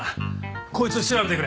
こいつを調べてくれ。